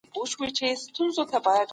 محصن زاني ته سزا ورکول عبرت دی.